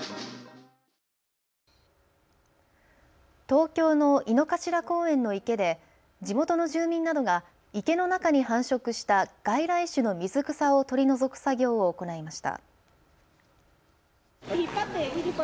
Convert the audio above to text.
東京の井の頭公園の池で地元の住民などが池の中に繁殖した外来種の水草を取り除く作業を行いました。